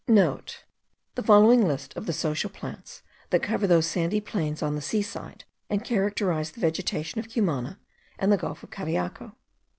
(* The following is a list of the social plants that cover those sandy plains on the sea side, and characterize the vegetation of Cumana and the gulf of Cariaco.